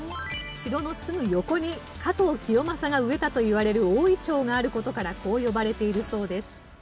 城のすぐ横に加藤清正が植えたといわれる大銀杏がある事からこう呼ばれているそうです。